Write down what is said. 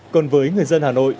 còn với người dân hà nội